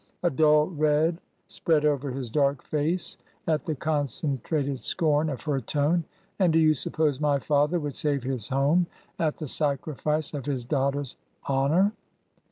A dull red spread over his dark face at the concentrated scorn of her tone. " And do you suppose my father would save his home at the sacrifice of his daughter's honor